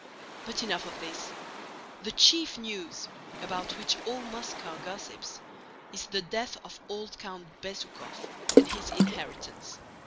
But enough of this! The chief news, about which all Moscow gossips, is the death of old Count Bezúkhov, and his inheritance.